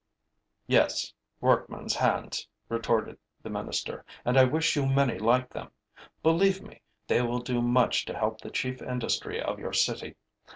'Yes, workman's hands,' retorted the minister, 'and I wish you many like them. Believe me, they will do much to help the chief industry of your city.